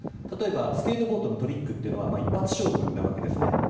例えば、スケートボードのトリックというのは一発勝負なわけですね。